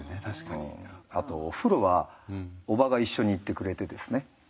あとお風呂は叔母が一緒に行ってくれてですね。